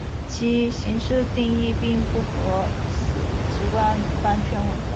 其形式定义并不和此直观完全吻合。